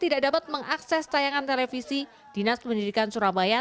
tidak dapat mengakses tayangan televisi dinas pendidikan surabaya